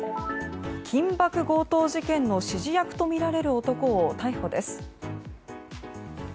緊縛強盗事件の指示役とみられる男を逮捕です。